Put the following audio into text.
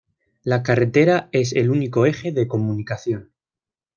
La carretera es el único eje de comunicación.